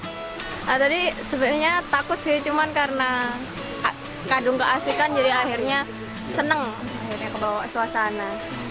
nah tadi sebenarnya takut sih cuma karena kadung keasikan jadi akhirnya seneng akhirnya kebawa suasana